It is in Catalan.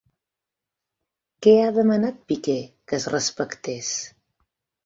Què ha demanat Piqué que es respectés?